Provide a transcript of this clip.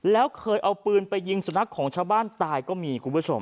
แล้วก็เคยเอาปืนไปยิงสุนัขของชาวบ้านตายก็มี